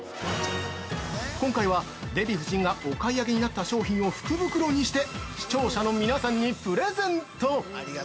今回は、デヴィ夫人がお買い上げになった商品を福袋にして視聴者の皆さんにプレゼント！